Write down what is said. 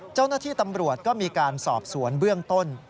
เจ้าหน้าที่ตำรวจก็มีการสอบสวนเบื้องต้น